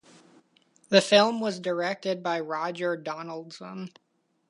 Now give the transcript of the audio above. The film was directed by Roger Donaldson.